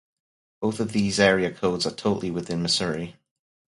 Both of these area codes are totally within Missouri.